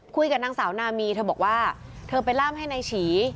คุยกับนางสาวนามีเธอบอกว่าเธอไปล่ามให้นายฉี